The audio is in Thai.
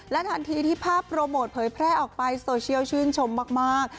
ทันทีที่ภาพโปรโมทเผยแพร่ออกไปโซเชียลชื่นชมมาก